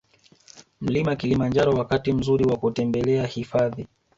Mlima Kilimanjaro Wakati mzuri wa kutembelea hifadhi